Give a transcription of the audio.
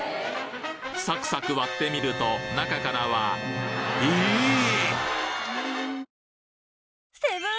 サクサク割ってみると中からはえ！？